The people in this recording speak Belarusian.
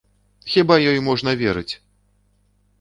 Хіба ёй можна верыць!